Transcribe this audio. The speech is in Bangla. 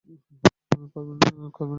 করেন না, প্লিজ।